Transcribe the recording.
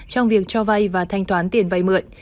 trong việc cho vay và thanh toán tiền vay mượn